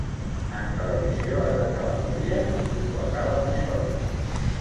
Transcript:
En televisió has d'acabar el dia i completar l'episodi.